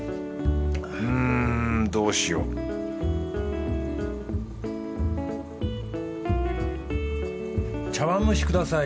うんどうしよう茶碗蒸しください。